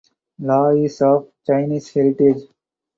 Law is of Chinese heritage.